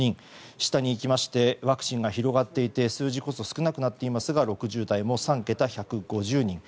下にいきましてワクチンが広がっていて数字こそ少なくなっていますが６０代も３桁、１５０人。